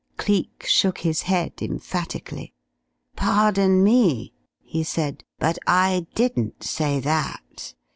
Cleek shook his head emphatically. "Pardon me," he said, "but I didn't say that.